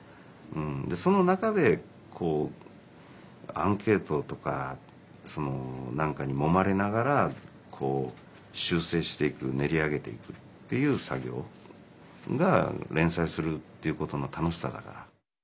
その中でアンケートとか何かにもまれながら修正していく練り上げていくっていう作業が連載するっていうことの楽しさだから。